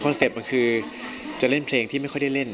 เป็ปต์มันคือจะเล่นเพลงที่ไม่ค่อยได้เล่น